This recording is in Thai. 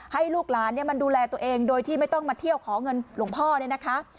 ให้ลูกหลานมันดูแลตัวเองโดยที่ไม่ต้องมาเที่ยวขอเงินหลวงพ่อเนี่ยนะคะ